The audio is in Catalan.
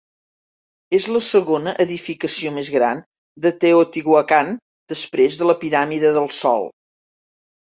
És la segona edificació més gran de Teotihuacán, després de la Piràmide del Sol.